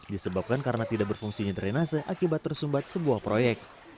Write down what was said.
disebabkan karena tidak berfungsinya drenase akibat tersumbat sebuah proyek